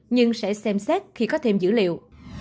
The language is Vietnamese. nhưng sẽ xem xét khi có thêm dữ liệu